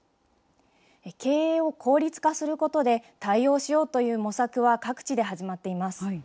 経営を効率化することで、対応しようという模索は各地で始まっています。